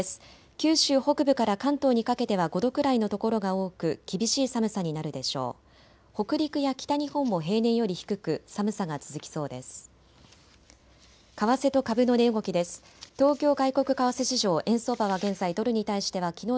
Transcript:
九州北部から関東にかけては５度くらいの所が多く厳しい寒さになるでしょう。